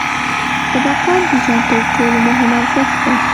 صداقت د ژوند تر ټولو مهم ارزښت دی.